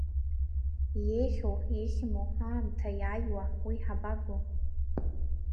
Иеиӷьу, иеиӷьму, аамҭа иааиуа, уи ҳабаго?